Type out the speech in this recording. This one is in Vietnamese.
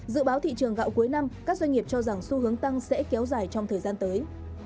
dự báo thị trường gạo cuối năm các doanh nghiệp cho rằng xu hướng tăng sẽ kéo dài trong thời gian tới